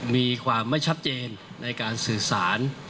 มีความไม่ชัดเจนในการสื่อสาร